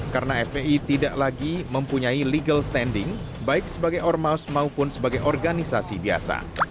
karena fpi tidak lagi mempunyai legal standing baik sebagai ormas maupun sebagai organisasi biasa